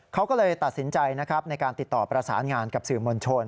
เขาก็เลยตัดสินใจนะครับในการติดต่อประสานงานกับสื่อมวลชน